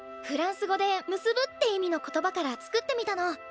フランス語で「結ぶ」って意味の言葉から作ってみたの。